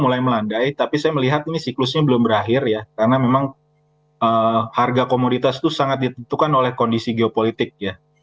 mulai melandai tapi saya melihat ini siklusnya belum berakhir ya karena memang harga komoditas itu sangat ditentukan oleh kondisi geopolitik ya